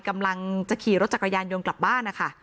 กำลังจะขี่รถจักรยานยนต์กลับบ้านนะคะ